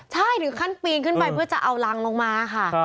ใช่ถึงขั้นปีนขึ้นไปเพื่อจะเอารังลงมาค่ะ